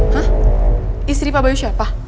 hah istri pak bayu siapa